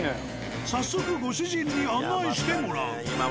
早速ご主人に案内してもらう。